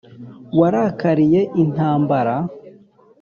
Warakariye intambara